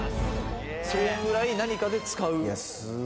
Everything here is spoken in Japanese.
そのくらい何かで使う？